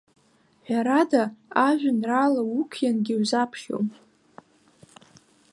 Ҳәарада, ажәеинраала уқәиангьы узаԥхьом.